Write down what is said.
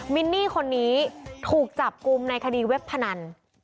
มินนี่คนนี้ถูกจับกลุ่มในคดีเว็บพนัน